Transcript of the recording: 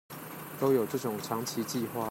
都有這種長期計畫